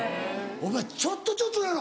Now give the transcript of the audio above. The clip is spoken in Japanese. お前ちょっとちょっとなの？